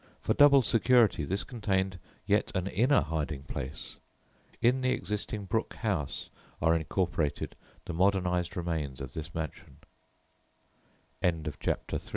For double security this contained yet an inner hiding place. In the existing Brooke House are incorporated the modernised remains of this ma